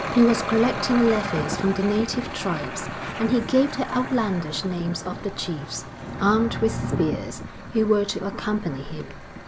He was collecting levies from the native tribes, and he gave the outlandish names of the chiefs, armed with spears, who were to accompany him.